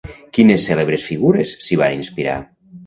Quines cèlebres figures s'hi van inspirar?